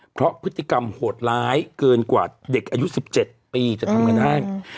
เพราะพฤติกรรมโหดร้ายเกินกว่าเด็กอายุสิบเจ็ดปีจะทำเงินให้อืม